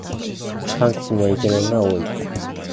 韓国にはイケメンが多い